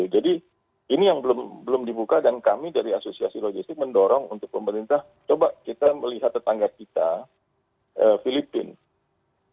jadi ini yang belum dibuka dan kami dari asosiasi logistik mendorong untuk pemerintah coba kita melihat tetangga kita filipina